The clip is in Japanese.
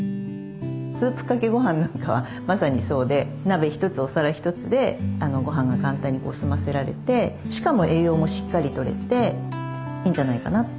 スープかけごはんなんかはまさにそうで鍋一つお皿一つでごはんが簡単に済ませられてしかも栄養もしっかりとれていいんじゃないかなって。